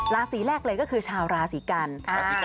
ราศีแรกเลยก็คือชาวราศีกัน